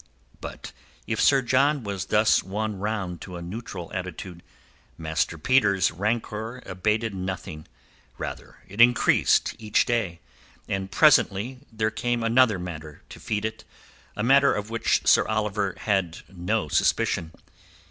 But if Sir John was thus won round to a neutral attitude, Master Peter's rancour abated nothing; rather it increased each day, and presently there came another matter to feed it, a matter of which Sir Oliver had no suspicion.